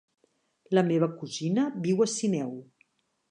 La meva cosina viu a Sineu.